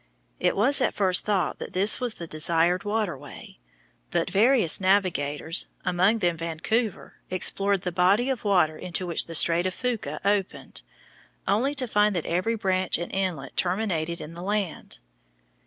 It was at first thought that this was the desired waterway, but various navigators, among them Vancouver, explored the body of water into which the Strait of Fuca opened, only to find that every branch and inlet terminated in the land.